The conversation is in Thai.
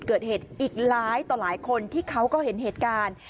จุดเกิดเหตุอีกหลายคนที่เห็นเหตุการณ์